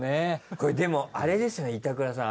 これでもあれですね板倉さん